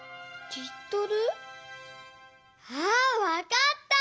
あわかった！